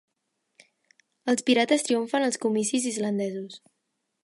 Els Pirates triomfen als comicis islandesos